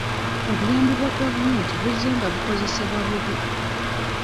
Obuyambi bwa gavumenti buzze nga bukozesebwa bubi.